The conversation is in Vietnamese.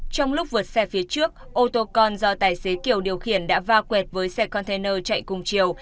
trong lúc vượt xe phía trước ô tô con do tài xế kiều điều khiển đã va quẹt với xe container chạy cùng chiều